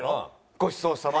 「ごちそうさま」。